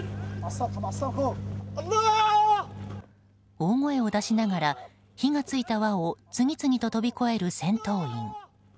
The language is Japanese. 大声を出しながら火が付いた輪を次々と跳び越える戦闘員。